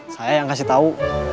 saya yang kasih tahu